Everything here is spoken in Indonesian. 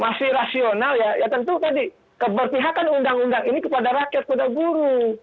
masih rasional ya ya tentu tadi keberpihakan undang undang ini kepada rakyat kepada guru